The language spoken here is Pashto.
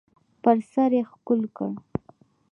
پر سر یې ښکل کړ .